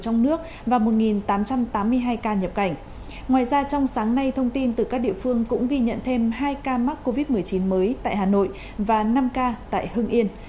ngoài ra trong sáng nay thông tin từ các địa phương cũng ghi nhận thêm hai ca mắc covid một mươi chín mới tại hà nội và năm ca tại hưng yên